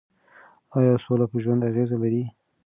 ایا سوله په ژوند اغېز لري؟